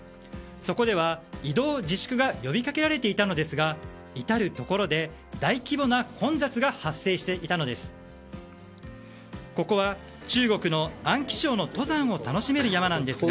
そこでは移動自粛が呼びかけられていたのですが至るところで大規模な混雑が発生していたのです。